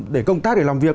để công tác để làm việc